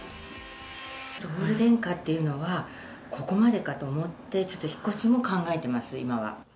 オール電化っていうのは、ここまでかと思って、ちょっと引っ越しも考えています、今は。